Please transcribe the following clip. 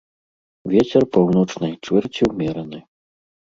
Вецер паўночнай чвэрці ўмераны.